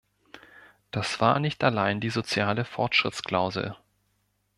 Das war nicht allein die soziale Fortschrittsklausel.